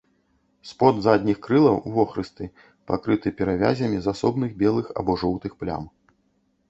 Спод задніх крылаў вохрысты, пакрыты перавязямі з асобных белых або жоўтых плям.